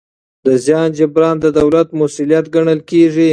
د زیان جبران د دولت مسوولیت ګڼل کېږي.